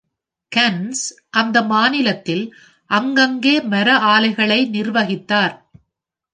Guns அந்த மாநிலத்தில் அங்கங்கே மர ஆலைகளை நிர்வகித்தார்.